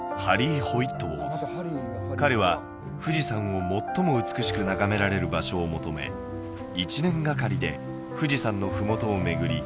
彼は富士山を最も美しく眺められる場所を求め１年がかりで富士山のふもとを巡り